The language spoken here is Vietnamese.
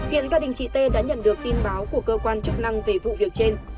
hiện gia đình chị t đã nhận được tin báo của cơ quan chức năng về vụ việc trên